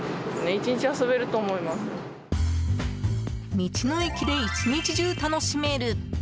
道の駅で１日中楽しめる。